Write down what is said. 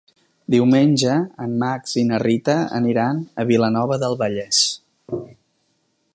Diumenge en Max i na Rita aniran a Vilanova del Vallès.